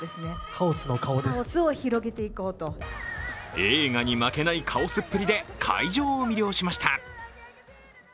映画に負けないカオスっぷりで会場を魅了しました。